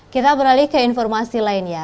kita beralih ke informasi lainnya